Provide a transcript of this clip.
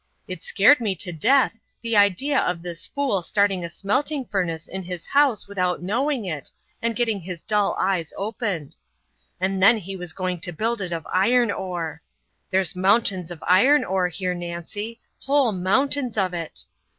It scared me to death, the idea of this fool starting a smelting furnace in his house without knowing it, and getting his dull eyes opened. And then he was going to build it of iron ore! There's mountains of iron ore here, Nancy whole mountains of it.